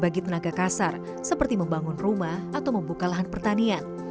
dan berbagi tenaga kasar seperti membangun rumah atau membuka lahan pertanian